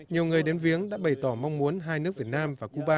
nhiều người đến viếng đã bày tỏ mong muốn hai nước việt nam và cuba